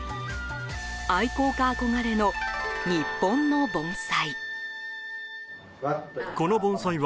愛好家憧れの、日本の盆栽。